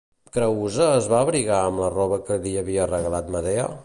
Creüsa es va abrigar amb la roba que li havia regalat Medea?